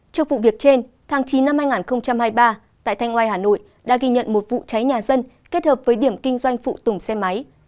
trước vụ việc trên tháng chín năm hai nghìn hai mươi ba tại thanh oai hà nội đã ghi nhận một vụ cháy nhà dân kết hợp với điểm kinh doanh phụ tùng xe máy